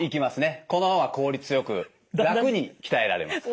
この方が効率よく楽に鍛えられます。